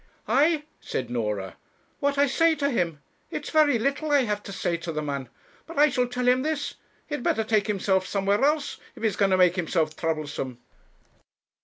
'I!' said Norah. 'What I say to him! It's very little I have to say to the man. But I shall tell him this; he'd better take himself somewhere else, if he's going to make himself troublesome.'